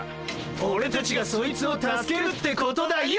オレたちがそいつを助けるってことだよ！